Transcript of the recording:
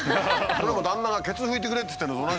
それはもう旦那が「ケツ拭いてくれ」っつってんのと同じなんだ？